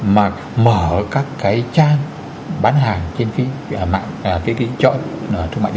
mà mở các cái trang bán hàng trên kia